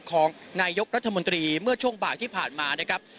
ของนายกรัฐมนตรีเมื่อช่วงบ่ายที่ผ่านมานะครับ